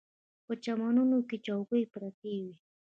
په چمنونو کې چوکۍ پرتې وې.